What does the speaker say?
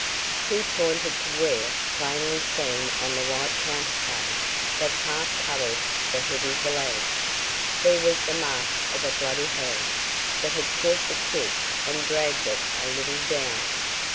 He pointed to where, plainly seen on the white counterpane that half covered the heavy valance, there was the mark of a bloody hand that had caught the quilt and dragged it a little down.